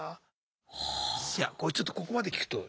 いやこれちょっとここまで聞くとＹＯＵさん